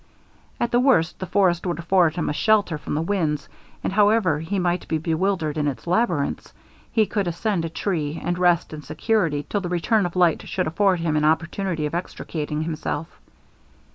At the worst, the forest would afford him a shelter from the winds; and, however he might be bewildered in its labyrinths, he could ascend a tree, and rest in security till the return of light should afford him an opportunity of extricating himself.